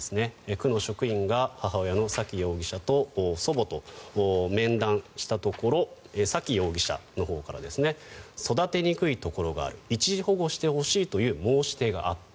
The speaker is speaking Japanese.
区の職員が母親の沙喜容疑者と祖母と面談したところ沙喜容疑者のほうから育てにくいところがある一時保護してほしいという申し出があった。